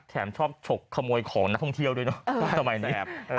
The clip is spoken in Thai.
แถมชอบฉกขโมยของนักท่องเที่ยวด้วยเนอะสมัยนี้